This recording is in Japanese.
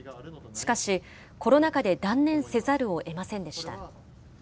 しかし、コロナ禍で断念せざるをえませんでした。